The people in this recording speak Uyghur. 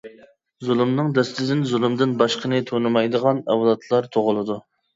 زۇلۇمنىڭ دەستىدىن زۇلۇمدىن باشقىنى تونۇمايدىغان ئەۋلادلار تۇغۇلىدۇ.